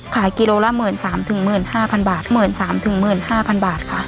ขายกิโลละเมื่อนสามถึงเมื่อนห้าพันบาทเมื่อนสามถึงเมื่อนห้าพันบาทค่ะ